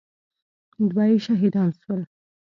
دوه يې شهيدان سول.